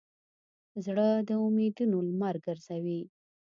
زړه د امیدونو لمر ګرځوي.